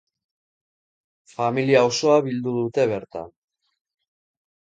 Familia osoa bildu dute bertan.